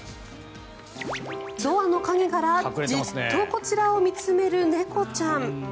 ドアの陰からじっとこちらを見つめる猫ちゃん。